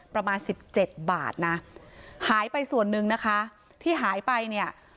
ประมาณสิบเจ็ดบาทนะหายไปส่วนหนึ่งนะคะที่หายไปเนี่ย